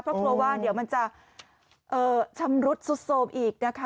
เพราะกลัวว่าเดี๋ยวมันจะชำรุดสุดโสมอีกนะคะ